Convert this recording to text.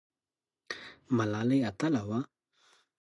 ملالۍ اتله وه؟